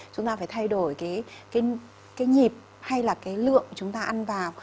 chúng ta phải thay đổi cái nhịp hay là cái lượng chúng ta ăn vào